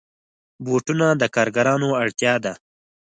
بوټونه د کارګرانو اړتیا ده.